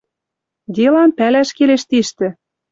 Делам пӓлӓш келеш тиштӹ